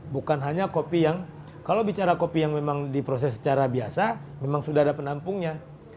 bukan hanya kopi yang kalau bicara kopi yang memang diproses secara biasa memang sudah ada penampungnya